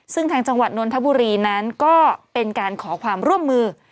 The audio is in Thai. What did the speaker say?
ซึ่งทางจังหวัดนนทบุรีนั้นก็เป็นการขอความร่วมมือ